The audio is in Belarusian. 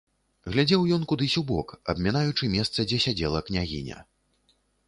Глядзеў ён кудысь убок, абмінаючы месца, дзе сядзела княгіня.